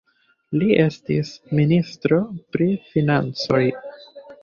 Li estis ministro pri Financoj.